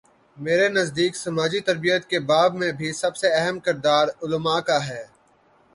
میرے نزدیک سماجی تربیت کے باب میں بھی سب سے اہم کردار علما کا ہے۔